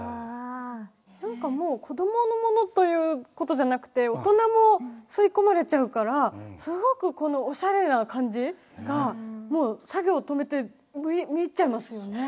何かもうこどものものということじゃなくて大人も吸い込まれちゃうからすごくこのおしゃれな感じがもう作業止めて見入っちゃいますよね。